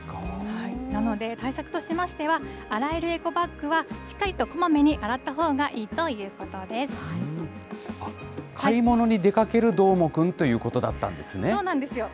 なので、対策としましては、洗えるエコバッグはしっかりとこまめに洗ったほうがいいというこ買い物に出かけるどーもくんそうなんですよ。